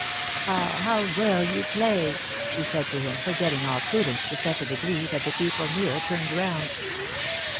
^^Ah ! how well you play she said to him, forgetting all prudence to such a degree that the people near turned round.